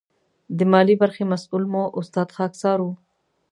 د مالي برخې مسؤل مو استاد خاکسار و.